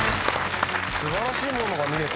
素晴らしいものが見れた。